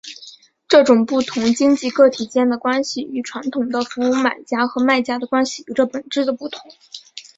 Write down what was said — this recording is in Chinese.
这种不同经济个体间的关系与传统的服务买家和卖家的关系有着本质的不同。